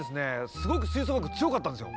すごく吹奏楽部強かったんですよ。